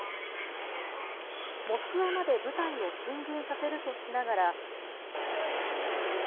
モスクワまで部隊を進軍させるとしながら。